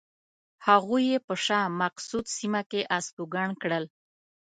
هغوی یې په شاه مقصود سیمه کې استوګن کړل.